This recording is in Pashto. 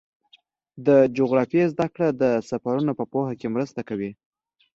د جغرافیې زدهکړه د سفرونو په پوهه کې مرسته کوي.